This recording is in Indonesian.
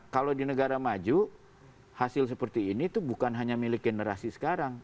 kalau di negara maju hasil seperti ini itu bukan hanya milik generasi sekarang